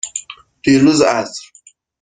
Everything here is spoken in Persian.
دیروز عصر.